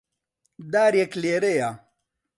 دارێک لێرەیە.